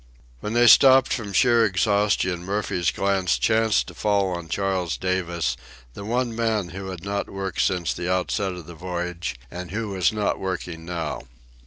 When they stopped from sheer exhaustion Murphy's glance chanced to fall on Charles Davis, the one man who had not worked since the outset of the voyage and who was not working now.